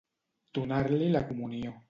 Donar-li la comunió.